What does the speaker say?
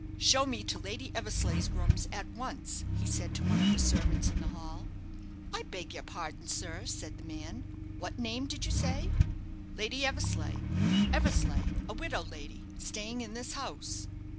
"Show me to Lady Eversleigh's rooms at once," he said to one of the servants in the hall. "I beg your pardon, sir," said the man; "what name did you say?" "Lady Eversleigh Eversleigh a widow lady, staying in this house."